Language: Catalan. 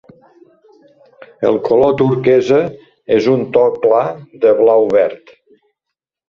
El color "turquesa" és un to clar de blau-verd.